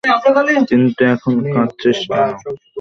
কিন্তু এখন কাঁদছিস কেন?